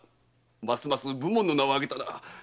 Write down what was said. ますます武門の名を上げたな。